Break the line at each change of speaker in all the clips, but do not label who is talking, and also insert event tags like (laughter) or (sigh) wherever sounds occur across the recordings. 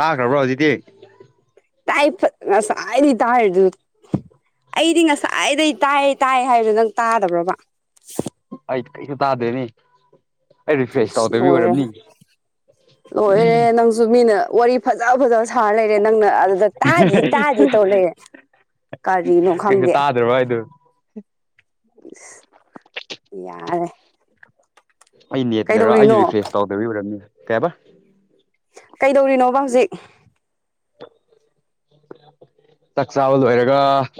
ꯇꯥꯈ꯭ꯔꯕ꯭ꯔꯣ ꯍꯧꯖꯤꯛꯇꯗꯤ
ꯇꯥꯏ ꯐꯁꯥꯏꯔꯤ ꯇ ꯍꯥꯏ ꯑꯩꯗꯤ ꯉꯁꯥꯏꯗꯩ ꯇꯥꯏꯌꯦ ꯇꯥꯏ ꯍꯥꯏꯕꯗꯣ ꯅꯪ ꯇꯥꯗꯕ꯭ꯔꯕ
ꯑꯩꯁꯨ ꯇꯥꯗꯦꯅꯤ ꯑꯩ ꯔꯤꯐ꯭ꯔꯦꯁ
ꯑꯁ
ꯇꯧꯗꯕꯤ
ꯂꯣꯏꯔꯦ
ꯑꯣꯏꯔꯝꯅꯤ
ꯂꯣꯏꯔꯦ ꯅꯪꯁꯨ ꯃꯤꯅ ꯋꯥꯔꯤ ꯐꯖ ꯐꯖꯕ ꯁꯥꯔ ꯂꯩꯔ ꯦ ꯅꯪꯅ ꯑꯗꯨꯗ ꯇꯥꯗꯤ ꯇꯥꯗꯤ ꯇꯧꯔꯛꯑꯦ ꯀꯔꯤꯅꯣ ꯈꯪꯗꯦ
ꯎꯝ
ꯌꯥꯔꯦ
ꯑꯩ ꯅꯦꯠꯇꯔ ꯑꯩꯁ
ꯀꯩꯗꯧꯔꯤꯅꯣ
ꯔꯤꯐ꯭ꯔꯦꯁ ꯇꯧꯗꯕꯤ ꯑꯣꯏꯔꯝꯅꯤ ꯀꯌꯥꯕ
ꯀꯩꯗꯧꯔꯤꯅꯣꯕ ꯍꯧꯖꯤꯛ
ꯆꯥꯛ ꯆꯥꯕ ꯂꯣꯏꯔꯒ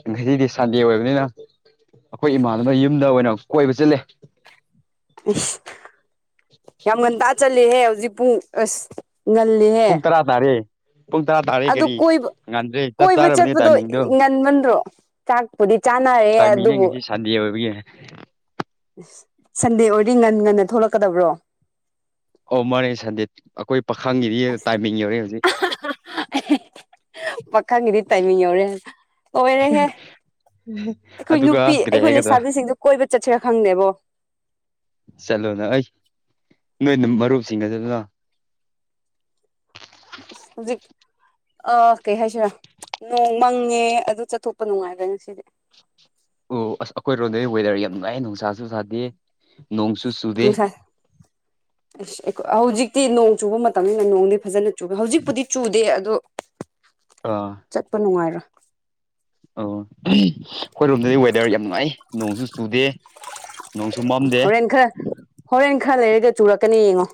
ꯉꯁꯤꯗꯤ ꯁꯟꯗꯦ ꯑꯣꯏꯕꯅꯤꯅ ꯑꯩꯈꯣꯏ ꯏꯃꯥꯗꯨꯅ ꯌꯨꯝꯗ ꯑꯣꯏꯅ ꯀꯣꯏꯕ ꯆꯠꯂꯦ
ꯑ ꯌꯥꯝ ꯉꯟꯇꯥ ꯆꯠꯂꯍꯦ ꯍꯧꯖꯤꯛ ꯄꯨꯡ ꯑꯁ
ꯀꯨꯡ
ꯉꯜꯂꯤꯍꯦ
ꯇꯔꯥ ꯇꯥꯔꯦ ꯄꯨꯡ ꯇꯔꯥ ꯇꯥꯔꯦ
ꯑꯗꯨ
ꯀꯔꯤ
ꯀꯣꯏꯕ
ꯉꯟꯗ꯭ꯔꯦ ꯆꯞ
ꯀꯣꯏꯕ
ꯆꯥꯔꯕꯅꯦ
ꯆꯠꯄꯗꯣ
ꯇꯥꯏꯃꯤꯡꯗꯣ
ꯉꯟꯕꯟ꯭ꯔꯣ ꯆꯥꯛꯄꯨꯗꯤ ꯆꯥꯅꯔꯦ
ꯇꯥꯏꯃꯤꯅꯦ
ꯑꯗꯨꯕꯨ
ꯉꯁꯤ ꯁꯥꯟꯗꯤ ꯑꯣꯏꯕꯒꯤꯅꯦ
ꯁꯟꯗꯦ ꯑꯣꯏꯗꯤ ꯉꯟ ꯉꯟꯅ ꯊꯣꯛꯂꯛꯀꯗꯕ꯭ꯔꯣ
ꯑꯣ ꯃꯥꯅꯦ ꯁꯟꯗꯦ ꯑꯩꯈꯣꯏ ꯄꯥꯈꯪꯒꯤꯔꯤ
ꯑꯁ
ꯇꯥꯏꯃꯤꯡ ꯌꯧꯔꯦ ꯍꯧꯖꯤꯛ
ꯄ ꯈꯪꯒꯤꯗꯤ ꯇꯥꯏꯃꯤ ꯌꯧꯔꯦ ꯑꯣꯏꯔ ꯍꯦ ꯑꯩꯈꯣꯏ
ꯑꯗꯨꯒ
ꯅꯨꯄꯤ
ꯀꯔꯤ
ꯑꯩꯈꯣꯏ
ꯍꯥꯏꯒꯗ꯭ꯔꯥ
ꯂꯩꯁꯥꯕꯤꯁꯤꯡꯗꯨꯣ ꯀꯣꯏꯕ ꯆꯠꯁꯤꯔꯥ ꯈꯪꯗꯦꯕꯣ
ꯆꯂꯣꯅ ꯑꯩ ꯅꯣꯏꯅ ꯃꯔꯨꯞꯁꯤꯡ ꯑꯗꯨ
ꯖꯤ ꯑ ꯀꯩ ꯍꯥꯏꯁ ꯅꯣꯡ ꯃꯪꯉꯦ ꯑꯗꯨ ꯆꯠꯊꯣꯛꯄ ꯅꯨꯡꯉꯥꯏꯕ꯭ꯔ ꯉꯁꯤꯗꯤ
ꯑꯣ ꯑꯁ ꯑꯩꯈꯣꯏꯔꯣꯝꯗꯩ ꯋꯦꯗꯔ ꯌꯥꯝ ꯅꯨꯡꯥꯏ ꯅꯨꯡꯁꯥꯁꯨ ꯁꯥꯗꯦ ꯅꯣꯡꯁꯨ ꯆꯨꯗꯦ
ꯅꯨꯡꯁꯥꯏ ꯑꯁ ꯍꯧꯖꯤꯛꯇꯤ ꯅꯣꯡ ꯆꯨꯕ ꯃꯇꯝꯅꯤꯅ ꯅꯣꯡꯗꯤ ꯐꯖꯅ ꯨꯗꯦ ꯍꯧꯖꯤꯛꯄꯨꯗꯤ ꯆꯨꯗꯦ ꯑꯗꯣ
ꯑꯥ
ꯆꯠꯄ ꯅꯨꯡꯉꯥꯏꯔꯣ
ꯑꯣ ꯑꯩꯈꯣꯏꯔꯣꯝꯗꯗꯤ ꯋꯦꯗꯔ ꯌꯥꯝ ꯅꯨꯡꯉꯥꯏ ꯅꯣꯡꯁꯨ ꯆꯨꯗꯦ ꯅꯣꯡꯁꯨ ꯃꯝꯗꯦ
ꯍꯣꯔꯦꯟ ꯈꯔ ꯍꯣꯔꯦꯟ ꯈꯔ ꯂꯩꯔꯒ ꯆꯨꯔꯛꯀꯅꯤ ꯌꯦꯡꯉꯣ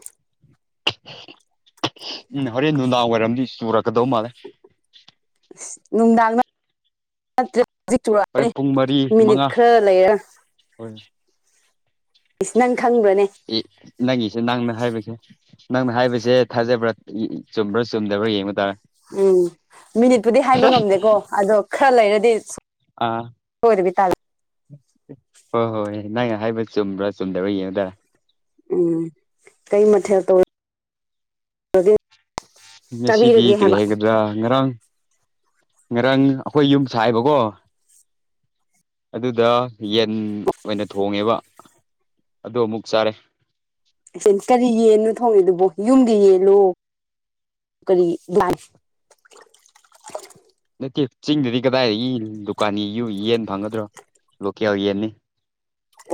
ꯎꯝ ꯍꯣꯔꯦꯟ ꯅꯨꯡꯗꯥꯡ ꯋꯥꯏꯔꯝꯗꯤ ꯆꯨꯔꯛꯀꯗꯧ ꯃꯥꯜꯂꯦ
ꯅꯨꯡꯗꯥꯡ ꯅꯠꯇ ꯍꯧꯖꯤꯛ
ꯍꯣꯔꯦꯟ
ꯆꯨꯔꯛꯑꯅꯤ
ꯄꯨꯡ ꯃꯔꯤ
ꯃꯤꯅꯤꯠ
ꯃꯉꯥ
ꯈꯔ ꯂꯩꯔꯦ ꯈꯪꯕ꯭ꯔꯅꯦ
ꯑꯦ ꯅꯪꯉꯁꯦ ꯅꯪꯅ ꯍꯥꯏꯕꯁꯦ ꯅꯪꯅ ꯍꯥꯏꯕꯁꯦ ꯊꯥꯖꯕ꯭ꯔꯥ ꯆꯨꯝꯕ꯭ꯔꯥ ꯆꯨꯝꯗꯕ꯭ꯔꯥ ꯌꯦꯡꯕ ꯇꯥꯔꯦ
ꯎꯝ ꯃꯤꯅꯤꯠꯄꯨꯗꯤ ꯍꯥꯏꯕ ꯉꯝꯗꯦꯀꯣ ꯑꯗꯣ ꯈꯔ ꯂꯩꯔꯗꯤ
ꯑꯥ
ꯍꯗꯕꯤ ꯇ
ꯍꯣꯏ ꯍꯣꯏ ꯍ ꯅꯪꯅ ꯍꯥꯏꯕ ꯆꯨꯝꯕ꯭ꯔꯥ ꯆꯨꯝꯗꯕꯥ ꯌꯦꯡꯉꯨꯗꯔꯦ
ꯎꯝ ꯀꯩ ꯃꯊꯔ ꯇ ꯑꯗꯨ
ꯉꯁꯤꯗꯤ ꯀꯔꯤ ꯍꯥꯏꯒꯗ꯭ꯔꯥ ꯉꯔꯥꯡ ꯉꯔꯥꯡ ꯑꯩꯈꯣꯏ ꯌꯨꯝ ꯁꯥꯏꯕꯀꯣ ꯑꯗꯨꯗ ꯌꯦꯟ ꯑꯣꯏꯅ ꯊꯣꯡꯉꯦꯕ ꯑꯗꯨ ꯑꯃꯨꯛ ꯆꯥꯔꯦ
ꯀꯔꯤ ꯌꯦꯟꯅꯣ ꯊꯣꯡꯉꯤꯗꯨꯕꯣ ꯌꯨꯝꯒꯤ ꯌꯦꯂꯨ ꯀꯔꯤ ꯭ꯂꯥꯟ
ꯅꯠꯇꯦ ꯆꯤꯡꯗꯗꯤ ꯀꯗꯥꯏꯗꯒꯤ ꯗꯨꯀꯥꯟꯒꯤꯨ ꯌꯦꯟ ꯐꯪꯒꯗ꯭ꯔꯣ ꯂꯣꯀꯦꯜ ꯌꯦꯟꯅꯤ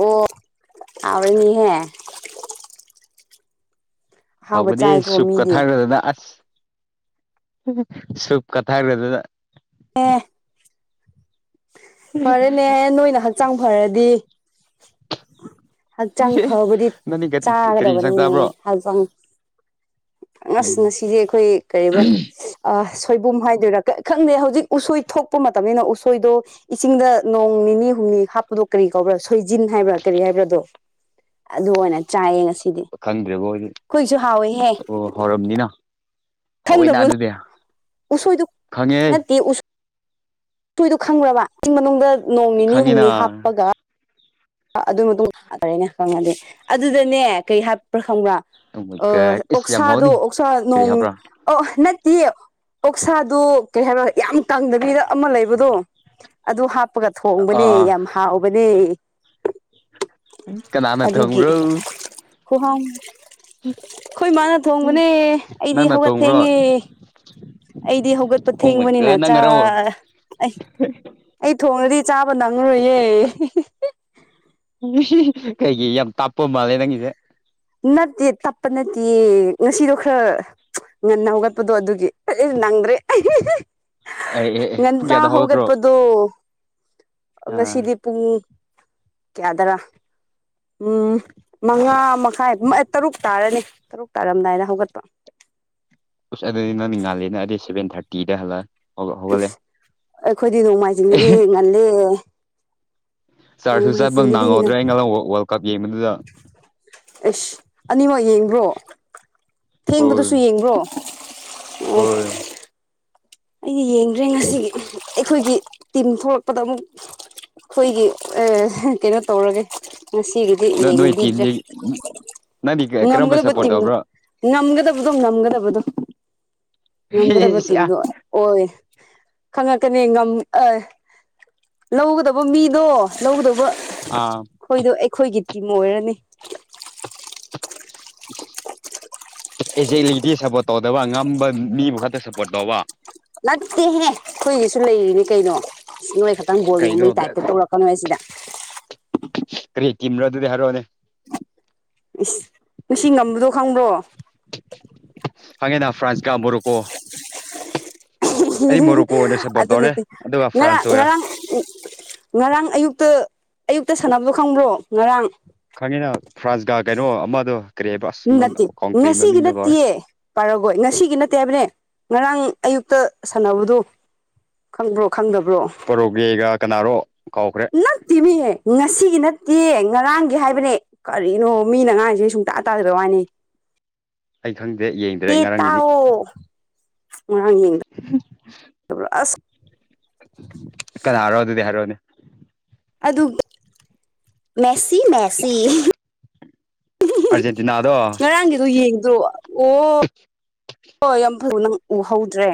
ꯑꯣ ꯑꯕꯅꯤꯍꯦ
ꯍꯕꯗꯤ ꯁꯨꯕ ꯀꯊꯥ
ꯃꯤꯗꯤ
ꯍꯥꯏꯗꯗ ꯑꯁ ꯁꯨꯨꯞ ꯀꯊꯥ ꯍꯥꯏꯔꯕꯦ ꯑꯗꯨꯗ
ꯑꯦ ꯐꯔꯦꯅꯦ ꯅꯣꯏꯅ ꯍꯛꯆꯥꯡ ꯐꯔꯗꯤ ꯍꯛꯆꯥꯡ ꯐꯕꯨꯗꯤ
ꯅꯪꯗꯤ ꯀꯔꯤ ꯏꯟꯁꯥꯡ
ꯆꯥꯒꯗꯕꯅꯤꯅꯦ
ꯆꯥꯕ꯭ꯔꯣ
ꯍꯛꯆꯥꯡ ꯑꯁ
ꯎꯝ
ꯉꯁꯤꯗꯤ ꯑꯩꯈꯣꯏ ꯀꯔꯤꯕ꯭ꯔꯥ ꯁꯣꯏꯕꯨꯝ ꯍꯥꯏꯗꯣꯏꯔꯥ ꯈꯪꯗꯦ ꯍꯧꯖꯤꯛ ꯎꯁꯣꯏ ꯊꯣꯛꯄ ꯃꯇꯝꯅꯤꯅ ꯎꯁꯣꯏꯗꯣ ꯏꯁꯤꯡꯗ ꯅꯣꯡ ꯅꯤꯅꯤ ꯍ ꯍꯥ ꯀ ꯀꯧꯕ꯭ꯔ ꯁꯣꯏꯟ ꯍꯥꯏꯕ꯭ꯔ ꯀꯔꯤ ꯍꯥꯏꯕꯥꯗꯣ ꯑꯗꯨ ꯑꯣꯏꯅ ꯆꯥꯏ
ꯈꯪꯗ꯭ꯔꯦꯕꯣ ꯍꯧꯗꯤ ꯑꯣ ꯍꯧꯔꯝꯅꯤꯅ ꯍꯣꯏꯅ ꯑꯗꯨꯗ
ꯎ ꯎꯆꯗꯨ ꯅꯠꯇꯗꯤ ꯎꯁ ꯁꯣꯏꯗꯣ ꯈꯪꯈ꯭ꯔꯕ ꯏꯁꯤꯡ ꯃꯅꯨꯡꯗ ꯅꯣꯡ ꯅꯤꯅꯤ
ꯈꯪꯉꯤꯅ
ꯍꯨꯝꯅꯤ ꯍꯥꯞꯄꯒ ꯑꯗꯨ ꯃꯇꯨꯡꯗ ꯊꯥꯗꯔꯦꯅꯦ ꯈꯪꯉꯗꯤ ꯑꯗꯨꯗꯅꯦ ꯀꯩ ꯍꯥꯏꯄ꯭ꯔꯥ ꯈꯪꯕ꯭ꯔꯥ ꯑ
ꯑꯣꯃꯥꯏꯒꯠ ꯏꯁ ꯌꯥꯝ
ꯑꯣꯛꯁꯥꯗꯣ
ꯍꯥꯎꯅꯤ
ꯑꯣꯁꯥ
ꯀꯔꯤ
ꯅꯣꯡ
ꯍꯥꯞꯄ꯭ꯔꯥ
ꯑꯣ ꯏ ꯑꯣꯛꯁꯥꯗꯨ ꯀꯩ ꯍꯥꯏꯕ ꯌꯥꯝ ꯀꯪꯗꯕꯤꯗ ꯑꯃ ꯂꯩꯕꯗꯣ ꯑꯗꯨ ꯍꯥꯞ ꯍꯥꯞꯄꯒ
ꯑꯥ
ꯊꯣꯡꯕꯅꯤ
ꯑꯥ
ꯌꯥꯝ ꯍꯥꯎꯕꯅꯤ
ꯀꯅꯥꯅ ꯊꯪꯕ꯭ꯔꯣ
ꯈꯨꯍꯝ ꯑꯩꯈꯣꯏ ꯃꯥꯅ ꯊꯣꯡꯕꯅꯦ ꯑꯩꯗꯤ
ꯅꯪꯅ
ꯍꯧꯒꯠ
ꯊꯣꯡꯕ꯭ꯔꯣ
ꯊꯦꯡꯉꯦ ꯑꯩꯗꯤ ꯍꯧꯒꯠꯄ ꯊꯦꯡꯕꯅꯤꯅ
ꯑꯣꯃꯥꯏꯒꯠ ꯅꯪꯅꯔꯣ
ꯊꯣꯡꯅꯗꯤ ꯆꯥꯕ ꯅꯪꯉꯥꯔꯣꯏꯌꯦ
ꯀꯩꯒꯤ ꯌꯥꯝ ꯇꯥꯞꯄ ꯃꯥꯜꯂꯦ ꯅꯪꯒꯤꯁꯦ
ꯅꯠꯇꯦ ꯇꯞꯄ ꯅꯠꯇꯦ ꯉꯁꯤꯗꯣ ꯈꯔ ꯉꯟꯅ ꯍꯧꯒꯠꯄꯗꯣ ꯑꯗꯨꯒꯤ ꯅꯪꯗꯔꯦ
ꯑꯦ ꯑꯦ ꯑꯦ ꯄꯨꯡ
ꯉꯟꯇꯥ
ꯀꯌꯥꯗ ꯍꯧꯒꯠꯄ꯭ꯔꯣ
ꯍꯒꯠꯄꯗꯨ
ꯑꯥ
ꯉꯁꯤꯗꯤ ꯄꯨꯡ ꯌꯥꯗꯔ ꯎꯝ ꯃꯉꯥ ꯁꯥꯏ ꯇꯔꯨꯛ ꯇꯥꯔꯅꯤ ꯇꯔꯨꯛ ꯇꯥꯔꯝꯗꯥꯏꯗ ꯍꯧꯒꯠꯄ
ꯑꯁ ꯑꯗꯨꯗꯤ ꯅꯪ ꯅꯤꯡ ꯉꯥꯜꯂꯦꯅ ꯑꯗꯨꯗꯤ ꯁꯚꯦꯟ ꯊꯥꯔꯇꯤꯗ ꯍꯜꯂ ꯍꯧꯒꯠꯂꯦ
ꯑꯩꯈꯣꯏꯗꯤ ꯅꯣꯡꯃꯥꯏꯖꯤꯡꯗꯗꯤ ꯉꯜꯂꯦ
ꯆꯥꯔꯁꯨ ꯆꯠꯄ ꯅꯥꯡꯍꯧꯗ꯭ꯔꯦ ꯑꯩ ꯉ
ꯑꯦꯁ ꯑꯅꯤꯃꯛ ꯌꯦꯡꯕ꯭ꯔꯣ ꯊꯦꯡꯕꯗꯨꯁꯨ
ꯍꯣꯏ
ꯌꯦꯡꯕ꯭ꯔꯣ
ꯍꯣꯏ
ꯑꯩꯗꯤ ꯌꯦꯡꯗ꯭ꯔꯦ ꯉꯁꯤꯒꯤ ꯑꯩꯈꯣꯏꯒꯤ ꯇꯤꯝ ꯊꯣꯛꯂꯛꯄꯗ ꯑꯃꯨꯛ ꯑꯩꯈꯣꯏꯒꯤ ꯀꯩꯅꯣ ꯇꯧꯔꯒꯦ ꯉꯁꯤꯒꯤꯗꯤ
ꯅ ꯅꯣꯏ
ꯌꯦꯡꯕꯤꯗ꯭ꯔꯦ
ꯇꯤꯝꯗꯤ ꯅꯪꯗꯤ
ꯉꯝꯒꯗ
ꯀꯔꯝꯕ
ꯄꯠꯇ
ꯁꯞꯄꯣꯔꯠ ꯇꯧꯕ꯭ꯔꯣ
ꯉꯝꯒꯗꯕꯗꯣ ꯉꯝꯒꯗꯕꯗꯣ ꯉꯝꯒꯗꯕ ꯇꯤꯟꯝꯗꯣ ꯑꯣꯏ ꯈꯪꯉꯛꯀꯅꯤ ꯑ ꯂꯧꯒꯗꯕ ꯃꯤꯗꯣ ꯂꯧꯒꯗꯧꯕ
ꯑꯥ
ꯑꯩꯈꯣꯏꯒꯤ ꯇꯤꯝ ꯑꯣꯏꯔꯅꯤ
(unintelligible) ꯑꯦꯛꯖꯦꯛꯂꯤꯗꯤ ꯁꯞꯄꯣꯔꯠ ꯇꯧꯗꯕ ꯉꯝꯕ ꯃꯤꯕꯨ ꯈꯛꯇ ꯁꯞꯄꯣꯔꯠ ꯇꯧꯕ
ꯅꯠꯇꯦꯍꯦ ꯑꯩꯈꯣꯏꯒꯤꯁꯨ ꯂꯩꯔꯤꯅꯦ ꯀꯩꯅꯣ ꯅꯣꯏ ꯈꯛꯇꯪ ꯒꯣꯜ ꯌꯦꯡꯕꯒꯤ
ꯀꯩꯅꯣ
ꯇꯥꯏꯞꯇ ꯇꯧꯔꯛꯀꯅꯣꯏ ꯁꯤꯗ
ꯀꯔꯤ ꯇꯤꯝꯔꯣ ꯑꯗꯨꯗꯤ ꯍꯥꯏꯔꯛꯑꯣꯅꯦ
ꯏ ꯉꯁꯤ ꯉꯝꯕꯗꯣ ꯈꯪꯕ꯭ꯔꯣ
ꯍꯪꯉꯦꯅ ꯐ꯭ꯔꯥꯟꯁꯀꯥ ꯕꯣꯔꯣꯀꯣ
ꯑꯗꯨ
ꯇꯧꯔꯦ
ꯅꯠꯇꯦ
ꯑꯗꯨꯒ ꯐ꯭ꯔꯥꯟꯁ
ꯉꯔꯥꯡ
ꯑꯣꯏꯔꯦ
ꯉꯔꯥꯡ ꯉꯔꯥꯡ ꯑꯌꯨꯛꯇ ꯑꯌꯨꯛꯇ ꯁꯥꯟꯅꯕꯗꯣ ꯈꯪꯕ꯭ꯔꯣ ꯉꯔꯥꯡ
ꯈꯪꯉꯤꯅ ꯐ꯭ꯔꯥꯟꯁꯀ ꯀꯩꯅꯣ ꯑꯃꯗꯣ ꯀꯔꯤ ꯍꯥꯏꯕ ꯑꯁ
ꯅꯠꯇꯦ
ꯀꯥꯎꯟꯇ꯭ꯔꯤ
ꯉꯁꯤꯒꯤ
ꯃꯃꯤꯡꯗꯣ
ꯅꯠꯇꯦ
ꯀꯥꯎꯔꯦ
ꯄꯥꯔꯒꯣꯏ ꯉꯁꯤꯒꯤ ꯅꯠꯇꯦ ꯍꯥꯏꯕꯅꯦ ꯉꯔꯥꯡ ꯑꯌꯨꯛꯇ ꯁꯥꯟꯅꯕꯗꯣ ꯈꯪꯕ꯭ꯔꯣ ꯈꯪꯗ
ꯄꯣꯔꯣꯒꯦꯒ ꯀꯅꯥꯔꯣ ꯀꯥꯎꯈ꯭ꯔꯦ
ꯅꯠꯇꯦꯃꯤ ꯉꯁꯤꯒꯤ ꯅꯠꯇꯦ ꯅꯠꯇꯦ ꯉꯔꯥꯡꯒꯤ ꯍꯥꯏꯕꯅꯦ ꯀꯔꯤꯅꯣ ꯃꯤꯅ ꯉꯔꯥꯡꯁꯦ ꯁꯨꯡꯇꯥ ꯇꯥꯗꯣꯏꯕꯩ ꯋꯥꯅꯤ
ꯑꯩ ꯈꯪꯗꯦ ꯌꯦꯡꯗ꯭ꯔꯦ
ꯄꯤ
ꯉꯔꯥꯡꯒꯤꯗꯤ
ꯇꯥꯎꯑꯣ ꯉꯔꯥꯡ ꯑꯁ
ꯀꯅꯥꯅꯣ ꯍꯥꯏꯔꯛꯑꯣ ꯑꯗꯨꯗꯤ ꯍꯥꯏꯔꯣꯅꯦ
ꯑꯗꯨ ꯃꯦꯁ ꯁꯤ ꯃꯦꯁꯤ
ꯑꯥꯔꯖꯦꯟꯇꯤꯅꯥꯗꯣ ꯑꯩ
ꯉꯔꯥꯡꯒꯤꯗꯣ ꯌꯦꯡ ꯑꯗꯨ ꯑꯣ ꯑꯣ ꯌꯥꯝ ꯐ ꯅꯪ ꯎꯍꯧꯗ꯭ꯔꯦ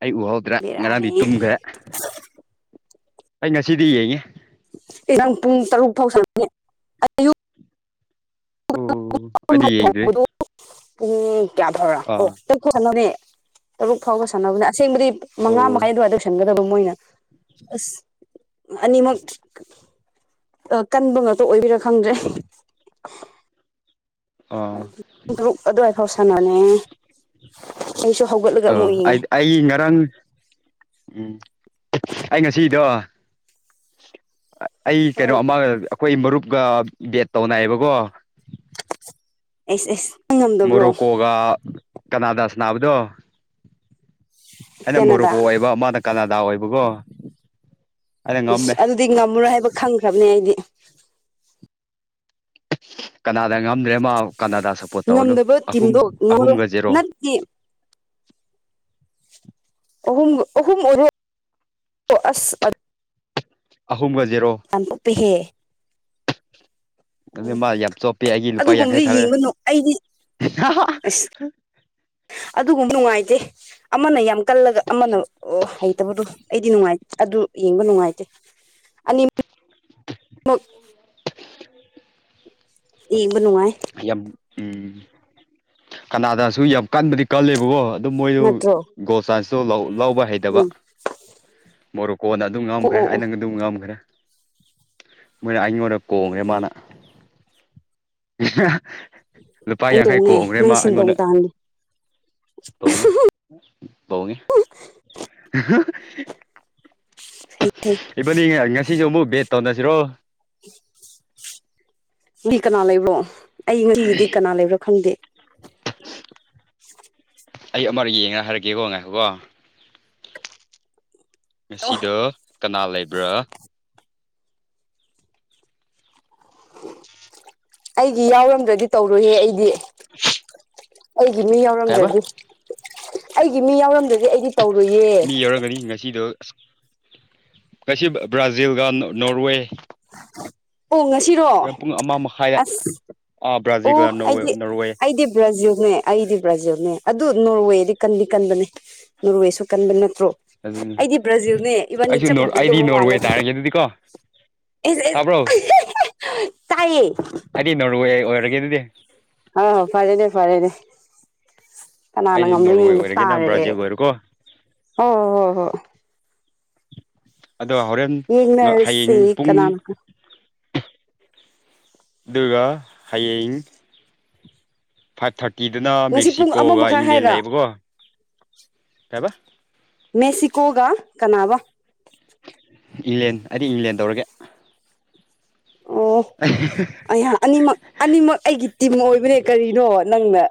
ꯑꯩ ꯎꯍꯧꯗ꯭ꯔꯥ ꯉꯔꯥꯡꯗꯤ
ꯕꯦꯔꯥꯅꯤ
ꯇꯨꯝꯈ꯭ꯔꯦ ꯑꯩ ꯉꯁꯤꯗꯤ ꯌꯦꯡꯉꯦ
ꯉꯔꯥꯡ ꯄꯨꯡ ꯇꯔꯨꯛ ꯐꯥꯎ
ꯑꯣ ꯑꯗꯤ ꯌꯦꯗ꯭ꯔꯦ
ꯍꯧꯕꯗꯣ ꯄꯨꯡ ꯀꯌꯥ ꯐꯥꯎꯔꯥ ꯑꯣ ꯇꯔꯨꯛ ꯁꯥꯟꯅꯣꯅꯦ ꯇꯔꯨꯛ ꯐꯥꯎꯕ ꯁꯥꯟꯅꯕꯅꯦ ꯑꯁ ꯑꯁꯦꯡꯕꯗꯤ ꯃꯉꯥ
ꯑꯣ
ꯃꯈꯥꯏ ꯑꯗꯨꯋꯥꯏ ꯇꯧꯁꯟꯒꯗꯕ ꯃꯣꯏꯅ ꯑꯁ ꯑꯅꯤꯃꯛ ꯀꯟꯕ ꯉꯥꯛꯇ ꯑꯣꯏꯕꯤꯔꯥ ꯈꯪꯗ꯭ꯔꯦ
ꯑꯥ
ꯑꯗꯨ ꯄꯨꯡ ꯇꯔꯨꯛ ꯑꯗꯨꯋꯥꯏ ꯐꯥꯎ ꯁꯥꯟꯅꯣꯅꯦ
ꯑ
ꯌꯦꯡꯉꯦ
ꯑꯩꯗꯤ ꯑꯩ ꯉꯔꯥꯡ ꯎꯝ ꯑꯩ ꯉꯁꯤꯗꯣ ꯑꯩ ꯀꯩꯅꯣ
ꯍꯣꯏ
ꯑꯃꯒ ꯑꯩꯈꯣꯏ ꯃꯔꯨꯞꯀ ꯕꯦꯠ ꯇꯧꯅꯏꯌꯦꯕꯀꯣ
ꯑꯦꯁ ꯑꯦꯁ
ꯃꯣꯔꯣꯛꯀꯣꯒ ꯀꯅꯥꯗ ꯁꯅꯥꯕꯗꯣ ꯑꯩꯅ
ꯀꯦꯅꯥꯗꯥ
ꯃꯣꯔꯣꯀꯣ ꯑꯣꯏꯕ ꯃꯥꯅ ꯀꯅꯥꯗꯥ ꯑꯣꯏꯕꯀꯣ ꯑꯩꯅ
ꯎ
ꯉꯝꯃꯦ
ꯑꯗꯨꯗꯤ ꯉꯝꯃꯨꯔꯣꯏ ꯍꯥꯏꯕ ꯈꯪꯈ꯭ꯔꯕꯅꯦ ꯑꯩꯗꯤ
ꯀꯅꯥ ꯉꯝꯗ꯭ꯔꯦ ꯃꯥ ꯀꯅꯥꯗꯥ ꯁꯞꯄꯣꯔꯠ ꯇꯧ
ꯉꯝꯗꯕ
ꯑꯍꯨꯝ
ꯇꯤꯝꯗꯣ ꯉꯝꯃꯔꯣꯏ
ꯑꯍꯨꯝꯒ ꯖꯦꯔꯣ
ꯅꯠꯇꯦ ꯑꯍꯨꯝ ꯑꯍꯨꯝ ꯑꯣꯏꯔꯣ ꯑꯁ
ꯑꯍꯨꯝꯒ ꯖꯦꯔꯣ
ꯑꯝꯊꯄꯤꯦ ꯍꯦ
ꯑꯗꯨ ꯃꯥ ꯌꯥꯝ ꯆꯣꯞꯄꯦ ꯑꯩꯒꯤ ꯂꯨꯄꯥ
ꯑꯗꯨꯒꯨꯝꯕꯗꯤ
ꯌꯥꯡꯈꯩ ꯊꯥꯔꯛꯑꯦ
ꯌꯦꯡꯕ ꯑꯩꯗꯤ
ꯑ
ꯑꯁ ꯑꯗꯨꯒꯨꯝꯕ ꯅꯨꯡꯉꯥꯏꯇꯦ ꯑꯃꯅ ꯌꯥꯝ ꯀꯜꯂꯒ ꯑꯃꯅ ꯍꯩꯇꯕꯗꯣ ꯑꯩꯗꯤ ꯅꯨꯡꯉꯥꯏ ꯑꯗꯨ ꯌꯦꯡꯕ ꯅꯨꯡꯉꯥꯏꯇꯦ ꯑꯅꯤ ꯃꯛ ꯌꯦꯡꯕ ꯅꯨꯡꯉꯥꯏ
ꯌꯥꯝ ꯎꯝ ꯀꯅꯥꯗꯥꯁꯨ ꯌꯥꯝ ꯀꯟꯕꯗꯤ ꯀꯜꯂꯦꯕꯀꯣ ꯑꯗꯨ ꯃꯣꯏꯗꯨ
ꯅꯠꯇ꯭ꯔꯣ
ꯒꯣꯜ ꯁꯥꯏ‌꯭ꯁꯇꯣ ꯂꯧ ꯂꯥꯎꯕ ꯍꯩꯇꯕ
ꯎꯝ
ꯃꯣꯔꯣꯀꯣꯅ ꯑꯗꯨꯝ
ꯑꯣ
ꯉꯝꯈ꯭ꯔꯦ
ꯑꯣ ꯑꯣ
ꯍꯥꯏꯅ ꯑꯗꯨꯝ ꯉꯝꯈ꯭ꯔꯦ ꯃꯣꯏꯅ ꯑꯩꯉꯣꯟꯗ ꯀꯣꯡꯉꯦ
ꯎꯝ
ꯃꯥꯅ ꯂꯨꯄꯥ ꯌꯥꯡꯈꯩ
ꯑꯩꯗꯣꯡꯉꯦ
ꯀꯣꯡꯈ꯭ꯔꯦ
ꯅꯪ
ꯃꯥ
ꯁꯤꯟꯗꯣꯡ
ꯑꯩꯉꯣꯟꯗ
ꯇꯥꯍꯜꯂꯤ
ꯇꯣꯡꯉꯦ ꯇꯣꯡꯉꯦ
ꯍꯩ ꯍꯩ
ꯏꯕꯥꯅꯤ ꯉꯁꯤꯁꯨ ꯑꯃꯨꯛ ꯕꯦꯠ ꯇꯧꯅꯁꯤꯔꯣ (inaudible)
ꯃꯤ ꯀꯅꯥ ꯂꯩꯕ꯭ꯔꯣ ꯑꯩ ꯉꯁꯤꯒꯤꯗꯤ ꯀꯅꯥ ꯂꯩꯕ꯭ꯔꯣ ꯈꯪꯗꯦ
ꯑꯩ ꯑꯃꯔꯛ ꯌꯦꯡꯉ ꯍꯥꯏꯔꯛꯀꯦꯀꯣ ꯉꯥꯏꯈꯣꯀꯣ
ꯑꯣ
ꯉꯁꯤꯗꯣ ꯀꯅꯥ ꯂꯩꯕ꯭ꯔꯥ
ꯑꯩꯒꯤ ꯌꯥꯎꯔꯝꯗ꯭ꯔꯗꯤ ꯇꯧꯔꯣꯏꯍꯦ ꯑꯩꯗꯤ ꯑꯩꯒꯤ ꯃꯤ
ꯀꯩꯕ
ꯌꯥꯎꯔꯝꯗ꯭ꯔꯗꯤ ꯑꯩꯒꯤ ꯃꯤ ꯌꯥꯎꯔꯝꯗ꯭ꯔ ꯑꯩꯗꯤ ꯇꯧꯔꯣꯏꯌꯦ
ꯀꯩꯁꯨ ꯕ꯭ꯔꯥꯖꯤꯜꯒ ꯅꯅꯣꯔꯋꯦ
ꯑꯣ ꯉꯁꯤꯔꯣ
ꯃꯈꯥꯏꯗ
ꯑꯁ
ꯑꯥ
ꯑꯣ
ꯕ꯭ꯔꯥꯖꯤꯜꯒ ꯅꯣꯔꯋꯦ
ꯑꯩꯗꯤ
ꯅꯣꯔꯋꯦ
ꯑꯩꯗꯤ ꯕ꯭ꯔꯥꯖꯤꯜ ꯅꯦ ꯑꯩꯗꯤ ꯕ꯭ꯔꯥꯖꯤꯜꯅꯦ ꯑꯗꯨ ꯅꯣꯔꯋꯦꯗꯤ ꯀꯟꯗꯤ ꯀꯟꯕꯅꯦ ꯅꯣꯔꯋꯦꯁꯨ ꯀꯟꯕꯅꯦ ꯭ꯔꯣ
ꯑꯗꯨꯅꯤ
ꯑꯩꯗꯤ ꯕ꯭ꯔꯥꯖꯤꯜꯅꯦ ꯏꯕꯥꯅꯤ
ꯑꯩꯁꯨ
ꯆꯞ
ꯑꯩꯗꯤ
ꯃꯥꯟꯅꯗꯧꯕ
ꯅꯣꯔꯋꯦ
ꯃꯥꯜꯂꯦ
ꯇꯥꯔꯒꯦ ꯑꯗꯨꯗꯤꯀꯣ
ꯏꯁ
ꯇꯥꯕ꯭ꯔꯣ
ꯏꯁ ꯇꯥꯏꯌꯦ
ꯃꯔꯔꯒꯦꯗꯗꯤꯦ (unintelligible)
ꯍꯥꯎ ꯐꯔꯦꯅꯦ ꯐꯔꯦꯅꯦ ꯀꯅꯥꯅ
ꯑꯩꯗꯤ
ꯉꯝꯕ꯭ꯔꯣ
ꯅꯣꯔꯋꯦ
ꯌꯦꯡꯕ
ꯑꯣꯏꯔꯒꯦ ꯅꯪ
ꯇꯥꯔꯦ ꯑꯩ
ꯕ꯭ꯔꯥꯖꯤꯜ ꯑꯣꯏꯔꯣꯀꯣ
ꯑꯣ ꯍꯣ ꯍꯣ ꯍꯣ
ꯑꯗꯣ ꯍꯣꯔꯦꯟ ꯉ ꯍꯌꯦꯡ
ꯌꯦꯡꯅꯔꯁꯦ
ꯄꯨꯡ
ꯀꯅꯥꯅ
ꯑꯗꯨꯒ ꯍꯌꯦꯡ ꯐꯥꯏꯚ ꯊꯥꯔꯇꯤꯗꯅ
ꯉꯁꯤ ꯄꯨꯡ ꯑꯃ
ꯃꯦꯛꯁꯤꯀꯣꯒ
ꯃꯈꯥꯏ
ꯏꯪꯂꯦꯟ
ꯍꯥꯏꯔ
ꯂꯩꯌꯦꯕꯀꯣ ꯀꯩꯑꯕ
ꯃꯦꯁꯤꯀꯣꯒꯥ ꯀꯅꯥꯕꯥ
ꯏꯂꯦꯟ ꯑꯩꯗꯤ ꯏꯂꯦꯟ ꯇꯧꯔꯒꯦ
ꯑꯣ ꯑꯩꯍꯥꯛ ꯑꯅꯤꯃꯛ ꯑꯅꯤꯃꯛ ꯑꯩꯒꯤ ꯇꯤꯝ ꯑꯣꯏꯕꯅꯦ ꯀꯔꯤꯅꯣ ꯅꯪꯅ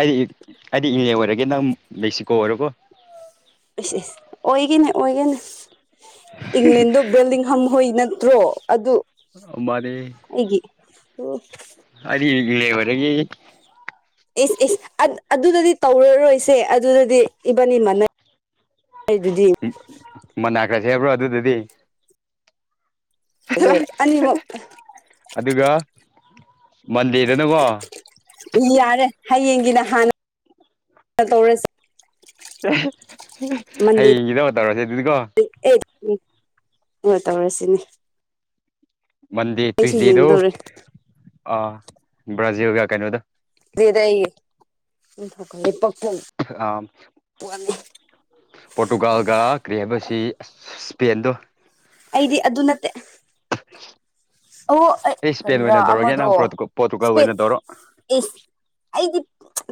ꯑꯩ ꯑꯩꯗꯤ ꯏꯪꯂꯦ ꯑꯣꯏꯔꯒꯦ ꯅꯪ ꯃꯦꯛꯁꯤꯀꯣ ꯑꯣꯏꯔꯣꯀꯣ
ꯏꯁ ꯏꯁ ꯑꯣꯏꯒꯦꯅꯦ ꯑꯣꯏꯒꯦꯅꯦ ꯏꯪꯂꯦꯟꯗꯣ ꯕꯦꯜꯗꯤꯡ ꯍꯝꯍꯣꯏ ꯅ ꯇ꯭ꯔꯣ ꯑꯗꯨ
ꯑꯃꯗꯤ
ꯑꯩꯒꯤ ꯑꯣ
ꯏꯂꯦꯕꯔꯒꯤ (unintelligible)
ꯏꯁ ꯏꯁ ꯑꯠꯑꯗꯨꯗꯗꯤ ꯇꯧꯔꯔꯣꯏꯁꯦ ꯑꯗꯨꯗꯗꯤ ꯏꯕꯅꯤ ꯃꯥꯟꯅꯩ
ꯏ ꯃꯅꯥꯒꯖꯦ ꯍꯥꯏꯕ꯭ꯔꯣ ꯑꯗꯨꯗꯗꯤ
ꯑꯅꯤꯃꯛ
ꯑꯗꯨꯒ ꯃꯟꯗꯦꯗꯅꯀꯣ
ꯌꯥꯔꯦ ꯍꯌꯦꯡꯒꯤꯅ ꯍꯥꯟꯅ ꯇꯧꯔꯁꯤꯦ (inaudible) ꯃꯟꯗꯦꯗ
ꯍꯌꯦꯡꯒꯤꯗꯣ ꯇꯧꯔꯁꯦ ꯑꯗꯨꯗꯤꯀꯣ
ꯑꯦ ꯍꯣꯏ ꯇꯧꯔꯁꯤꯅꯦ
ꯃꯟꯗꯦ
ꯑꯩꯁꯨ
ꯇ꯭ꯌꯨꯁꯗꯦꯗꯣ
ꯌꯦꯡꯗꯧꯔꯦ
ꯑꯥ ꯕ꯭ꯔꯥꯖꯤꯜ ꯒ ꯀꯩꯅꯣꯗ
ꯂꯩꯔ ꯑꯩ ꯊꯣꯛꯀꯜꯂꯤ ꯄꯊꯣꯡ
ꯑꯥ
(unintelligible)
ꯄꯣꯔꯇꯨꯒꯥꯜꯒ ꯀꯔꯤ ꯍꯥꯏꯕꯁꯤ ꯑꯁ ꯏꯁꯄꯦꯟꯗꯣ
ꯑꯩꯗꯤ ꯑꯗꯨ ꯅꯠꯇꯦ ꯑꯣ ꯑꯩ
ꯏꯁꯄꯦꯟ
ꯀꯔꯤꯔꯥ
ꯑꯣꯏꯅ ꯇꯧꯔꯒꯦ
ꯑꯃꯗꯣ
ꯅꯪ ꯄꯣꯔꯇꯨꯒꯜ
ꯏꯁꯄꯦꯟ
ꯑꯣꯏꯅ ꯇꯧꯔꯣ
ꯏꯁ ꯑꯩꯗꯤ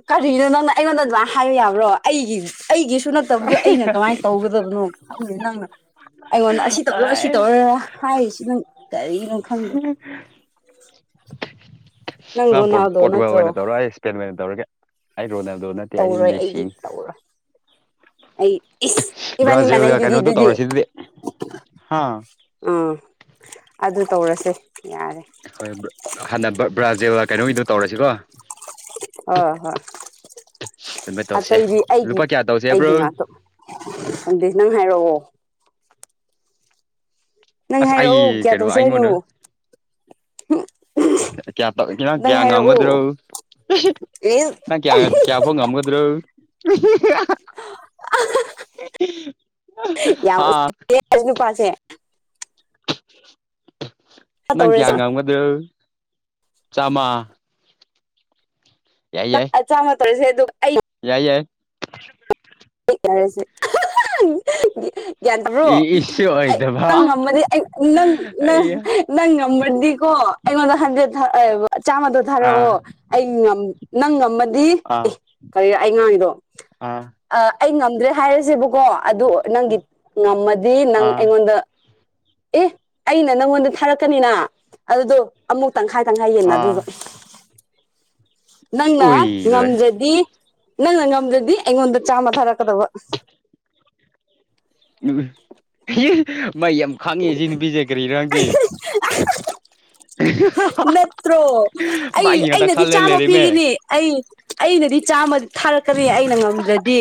ꯀꯔꯤꯅꯣ ꯅꯪꯅ ꯑꯩꯉꯣꯟꯗ ꯑꯗꯨꯃꯥꯏꯅ ꯍꯥꯏꯕ ꯌꯥꯕ꯭ꯔꯣ ꯑꯩꯒꯤ ꯑꯩꯒꯤꯁꯨ ꯅꯠꯇꯕꯗꯣ ꯑꯩꯅ ꯀꯃꯥꯏꯅ ꯇꯧꯒꯗꯕꯅꯣ ꯈꯪꯗꯦ ꯅꯪꯅ ꯑꯩꯉꯣꯟꯗ ꯑꯁꯤ ꯇꯧꯔꯣ ꯑꯁꯤ ꯇꯧꯔ ꯍꯥꯏꯔꯤꯁꯤ ꯅꯪ ꯀꯔꯤꯅꯣ ꯈꯪꯗꯦ
(unintelligible)
ꯅꯪ
ꯑ
ꯔꯣꯅꯥꯜꯗꯣ
ꯄꯣꯣꯔꯇꯨꯒꯜ ꯋꯥ ꯑꯣꯏꯅ
ꯅꯠꯇ꯭ꯔꯣ
ꯇꯧꯔ ꯑꯩ ꯏꯁꯄꯦꯟꯟ ꯃꯦꯟ ꯇꯧꯔꯒꯦ ꯔꯣꯅꯥꯜꯗꯣ ꯅꯠꯇꯦ ꯑꯩ
ꯇꯧꯔꯣꯏ ꯑꯩꯗꯤ
ꯃꯦꯁꯤꯅꯤ
ꯇꯧꯔꯣꯏ ꯑꯩ ꯏ ꯏꯃꯅꯤ ꯏꯃꯅꯦ
ꯕ꯭ꯔꯥꯖꯤꯜꯒ ꯀꯩꯅꯣꯗꯣ
ꯏꯗꯨꯗꯤꯗꯨꯖꯤꯦ
ꯇꯧꯔꯁꯤ ꯑꯗꯨꯗꯤ ꯍꯥ
ꯎꯝ ꯑꯗꯨ ꯇꯧꯔꯁꯦ ꯌꯥꯔꯦ
ꯍꯣꯏ ꯍꯥꯟꯅ ꯕ꯭ꯔꯥꯖꯦꯜ ꯀꯩꯅꯣꯒꯤꯗ ꯇꯧꯔꯁꯤꯀꯣ
ꯑ ꯍꯣꯏ
ꯑꯗꯨꯃꯥꯏꯅ ꯇꯧꯁꯦ
ꯑꯇꯩꯗꯤ ꯑꯩꯒꯤ
ꯂꯨꯄꯥ ꯀꯌꯥ ꯇꯧꯁꯦ ꯕ꯭ꯔꯣ
ꯑꯩꯒꯤ ꯉꯥꯛꯇꯣ ꯑꯗꯨꯗ ꯅꯪ ꯍꯥꯏꯔꯛꯑꯣ ꯅꯪ
ꯑꯁ
ꯍꯥꯏꯔꯛꯑꯣ
ꯑꯩ
ꯀꯌꯥ
ꯀꯩꯅꯣ
ꯇꯧꯁꯦ ꯍꯥꯏꯅꯣ
ꯑꯩꯉꯣꯟꯗ ꯀꯌꯥ ꯇ
ꯅꯪ
ꯀꯌꯥ
ꯍꯥꯏꯔꯛꯑꯣ
ꯉꯥꯡꯒꯗ꯭ꯔꯣ ꯅꯪ ꯀꯌꯥ ꯀꯌꯥ ꯐꯥꯎ ꯉꯝꯒꯗ꯭ꯔꯣ
ꯌꯥꯝ
ꯍꯥ
ꯎꯁꯤ ꯅꯨꯄꯥꯁꯦ (unintelligible)
ꯅꯪ ꯀꯌꯥ
ꯇꯧꯔꯁꯦ
ꯉꯃꯗ ꯆꯃ
ꯆꯥꯃ ꯇꯧꯔꯁꯦ ꯑꯗꯨ
ꯌꯥꯏ ꯌꯥꯏ
ꯀꯔꯦꯁ ꯌꯥ꯭ꯌꯥꯟꯗ꯭ꯔꯣ
ꯏꯁꯨ
ꯑꯩ
ꯑꯣꯏꯗꯕ
ꯅꯪ ꯉꯝꯃꯗꯤ ꯑꯩ ꯅꯪꯪ
ꯑꯩꯌꯥ
ꯅꯪ ꯉꯝꯃꯗꯤ ꯣ ꯑꯩꯉꯣꯟꯗ ꯍꯟꯗꯦ ꯆꯥꯝꯃꯗꯣ
ꯑꯥ
ꯊꯥꯔꯛꯑꯣ ꯑꯩ ꯅꯪ ꯑꯦ
ꯑꯥ
ꯀꯔꯤ ꯑꯩꯉꯥꯡꯉꯗꯣ
ꯑꯥ
ꯑꯩ ꯉꯝꯗ꯭ꯔꯦ ꯍꯥꯏꯔꯁꯦꯕꯨ ꯀꯣ ꯑꯗꯨ ꯅꯪꯒꯤ ꯉꯝꯃꯗꯤ ꯅꯪ
ꯑꯥ
ꯑꯩꯉꯣꯟꯗ ꯑꯦ ꯑꯩꯅ ꯅꯪꯉꯣꯟꯗ ꯊꯥꯔꯛꯀꯅꯤꯅ ꯑꯗꯨꯗꯣ ꯑꯃꯨꯛ ꯇꯪꯈꯥꯏ ꯇꯪꯈꯥꯏ
ꯑꯥ
ꯌꯦꯟꯅꯗꯣꯏꯕ ꯅꯪꯅ
ꯎꯏ ꯂꯣꯏꯔꯦ
ꯉꯝꯗ꯭ꯔꯗꯤ ꯅꯪ ꯉꯝꯗ꯭ꯔꯗꯤ ꯑꯩꯉꯣꯟꯗ ꯆꯥꯝꯃ ꯊꯥꯔꯛꯀꯗꯕ
ꯎ ꯃꯩ ꯌꯥꯝ ꯈꯥꯡꯉꯦ ꯁꯤ ꯅꯨꯄꯤꯁꯦ ꯀꯔꯤꯅꯣꯪꯗꯤꯦ
ꯅꯠꯇ꯭ꯔꯣ ꯑꯩ
ꯃꯥꯒꯤ ꯉꯥꯛꯇ
ꯑꯩꯅꯗꯤ
ꯈꯜꯂ
ꯆꯥꯝꯃ
ꯂꯩꯔꯦꯃꯦ
ꯄꯤꯒꯅꯤ ꯑꯩ ꯑꯩꯅꯗꯤ ꯆꯥꯝꯃ ꯊꯥꯔꯛꯀꯅꯤ ꯑꯩꯅ ꯉꯝꯗ꯭ꯔꯗꯤ